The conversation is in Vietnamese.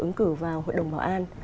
ứng cử vào hội đồng bảo an